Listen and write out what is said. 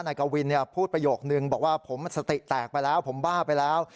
นายกวินพูดประโยคนึงบอกว่าผมสติแตกไปแล้วผมบ้าไปแล้ว